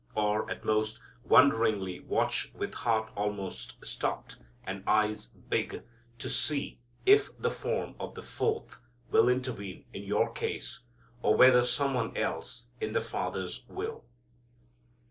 or, at most, wonderingly watch with heart almost stopped, and eyes big, to see if the form of the Fourth will intervene in your case, or whether something else is the Father's will.